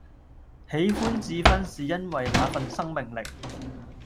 喜歡智勳是因為那份生命力